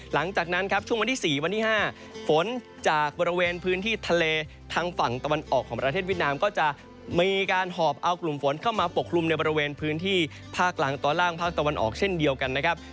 หลังจากนั้นครับช่วงวันที่๔วันที่๕ฝนจากบริเวณพื้นที่ทะเลทางฝั่งตะวันออกของประเทศเวียดนามก็จะมีการหอบเอากลุ่มฝนเข้ามาปกคลุมในบริเวณพื้นที่ภาคกลางตอนล่างภาคตะวันออกเช่นเดียวกันนะครับ